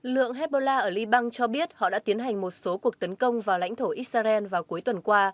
lượng hezbollah ở liban cho biết họ đã tiến hành một số cuộc tấn công vào lãnh thổ israel vào cuối tuần qua